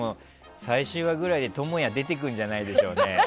最終話ぐらいで倫也出てくるんじゃないでしょうね。